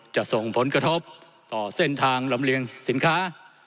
จะส่งผลกระทบต่อเส้นทางลำเลียงสินค้า